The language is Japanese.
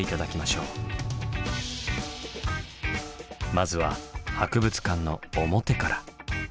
まずは博物館の表から。